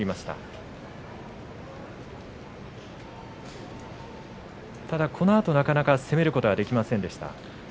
ただそのあと、なかなか攻めることができませんでした。